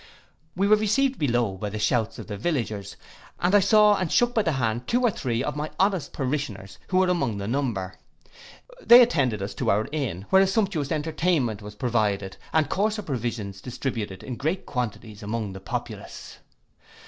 We were received below by the shouts of the villagers, and I saw and shook by the hand two or three of my honest parishioners, who were among the number. They attended us to our inn, where a sumptuous entertainment was provided, and coarser provisions distributed in great quantities among the populace.